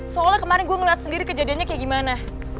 soalnya kemarin gue ngeliat sendiri kejadiannya kayak gimana